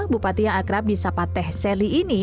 bupati yang akrab di sapa teh selly ini